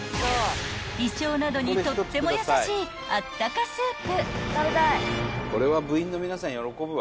［胃腸などにとっても優しいあったかスープ］